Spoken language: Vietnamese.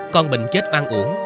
con bình chết ăn uổng